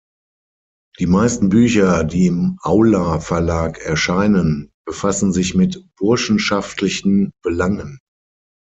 Die meisten Bücher, die im Aula-Verlag erscheinen, befassen sich mit burschenschaftlichen Belangen.